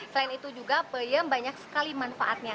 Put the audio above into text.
selain itu juga peyem banyak sekali manfaatnya